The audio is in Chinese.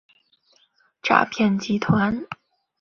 诈骗集团